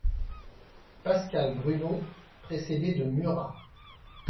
=Pascal Bruno= (précédé de =Murat=).